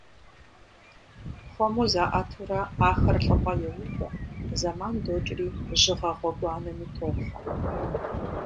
Хуэму заIэтурэ ахэр лIыпIэ йоувэ, зэман докIри жьыгъэ гъуэгуанэми тохьэ.